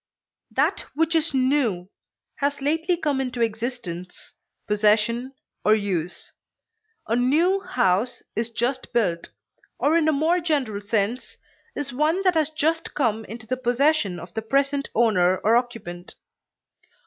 That which is new has lately come into existence, possession, or use; a new house is just built, or in a more general sense is one that has just come into the possession of the present owner or occupant.